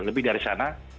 lebih dari sana